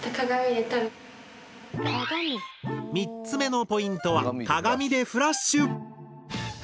３つ目のポイントは鏡でフラッシュ！